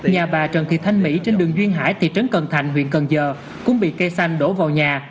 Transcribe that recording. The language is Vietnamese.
nhà bà trần thị thanh mỹ trên đường duyên hải thị trấn cần thạnh huyện cần giờ cũng bị cây xanh đổ vào nhà